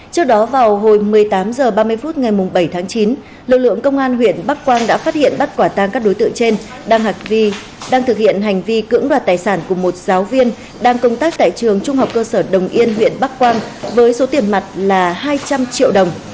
trước đó vào hồi một mươi tám h ba mươi phút ngày bảy tháng chín lực lượng công an huyện bắc quang đã phát hiện bắt quả tang các đối tượng trên đang thực hiện hành vi cưỡng đoạt tài sản của một giáo viên đang công tác tại trường trung học cơ sở đồng yên huyện bắc quang với số tiền mặt là hai trăm linh triệu đồng